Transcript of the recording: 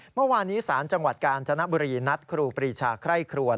เมื่อวานี้ทนายสารจังหวัดกาลแจนบุรีนัดครูปรีชาไข้ครวด